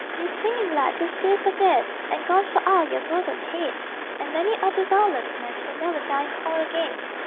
Dear singing lad, those days are dead And gone for aye your golden head; And many other well loved men Will never dine in Hall again.